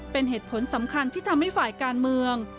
เป็นเหตุผลสำคัญที่ทำให้ฝ่ายการเมือง